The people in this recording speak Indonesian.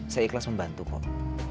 saya ikhlas membantu pak